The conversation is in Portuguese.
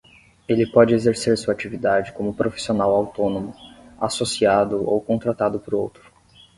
Ele pode exercer sua atividade como profissional autônomo, associado ou contratado por outro.